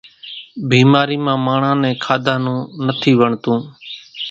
ڀيمارِي مان ماڻۿان نين کاڌا نون نٿِي وڻتون۔